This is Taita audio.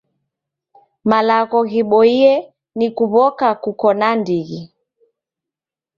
Malagho ghiboiye ni kuw'oka kuko na ndighi.